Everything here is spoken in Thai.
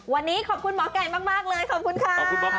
วันนี้ขอบคุณหมอไก่มากเลยขอบคุณค่ะ